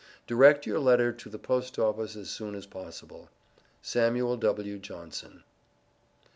Direct your letter to the post office as soon as possible. SAMUEL W. JOHNSON.